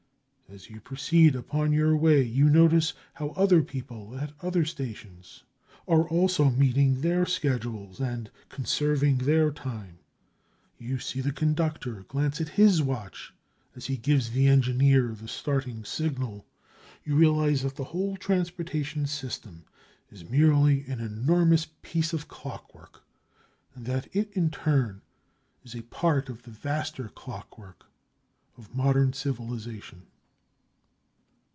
As you proceed upon your way, you notice how other people at other stations are also meeting their schedules and conserving their time. You see the conductor glance at his watch as he gives the engineer the starting signal. You realize that the whole transportation system is merely an enormous piece of clockwork and that it, in turn, is a part of the vaster clockwork of modern civilization.